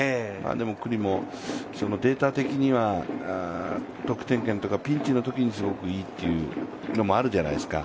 でも九里もデータ的には得点圏というかピンチのときにすごくいいというのもあるじゃないですか。